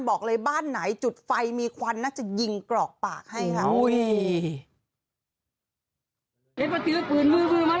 บอกเลยบ้านไหนจุดไฟมีควันน่าจะยิงกรอกปากให้ค่ะ